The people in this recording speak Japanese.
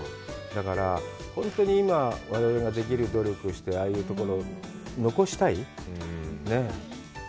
だから、本当に今、我々ができる努力をして、ああいうところを残したいよね。